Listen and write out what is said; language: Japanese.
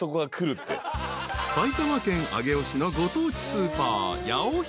［埼玉県上尾市のご当地スーパー］